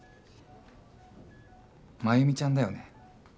繭美ちゃんだよね？